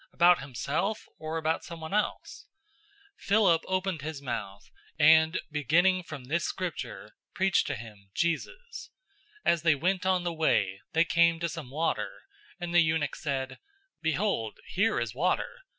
About himself, or about someone else?" 008:035 Philip opened his mouth, and beginning from this Scripture, preached to him Jesus. 008:036 As they went on the way, they came to some water, and the eunuch said, "Behold, here is water.